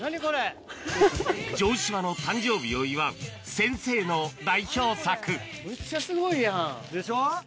城島の誕生日を祝うむっちゃすごいやん。でしょ？